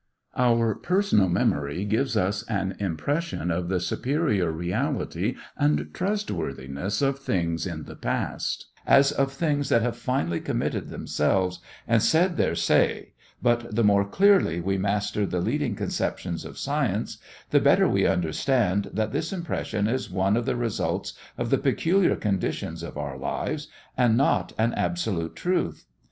Our personal memory gives us an impression of the superior reality and trustworthiness of things in the past, as of things that have finally committed themselves and said their say, but the more clearly we master the leading conceptions of science the better we understand that this impression is one of the results of the peculiar conditions of our lives, and not an absolute truth.